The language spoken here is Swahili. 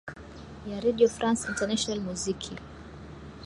ya redio france international muziki